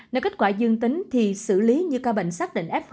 nếu kết quả dương tính thì xử lý như ca bệnh xác định f một